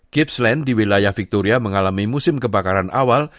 gippsland di wilayah victoria mengalami musim kebakaran awal